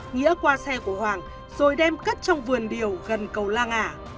nghĩa qua xe của hoàng rồi đem cất trong vườn điều gần cầu la ngả